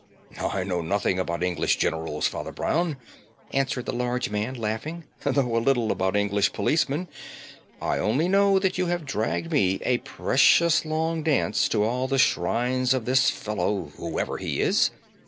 "I know nothing about English generals, Father Brown," answered the large man, laughing, "though a little about English policemen. I only know that you have dragged me a precious long dance to all the shrines of this fellow, whoever he is.